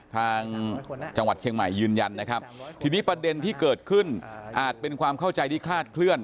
จังหวัดเชียงใหม่ยืนยันนะครับทีนี้ประเด็นที่เกิดขึ้นอาจเป็นความเข้าใจที่คลาดเคลื่อ